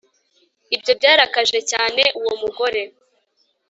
Ibyo byarakaje cyane uwo mugore